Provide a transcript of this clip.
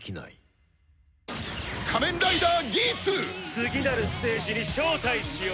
次なるステージに招待しよう！